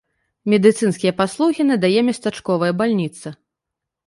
Медыцынскія паслугі надае местачковая бальніца.